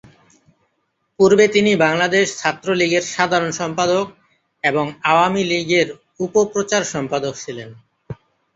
পূর্বে তিনি বাংলাদেশ ছাত্রলীগের সাধারণ সম্পাদক এবং আওয়ামী লীগের উপ-প্রচার সম্পাদক ছিলেন।